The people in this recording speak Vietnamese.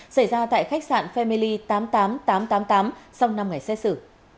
xảy ra tại khách sạn family tám mươi tám nghìn tám trăm tám mươi tám sau năm ngày xét xử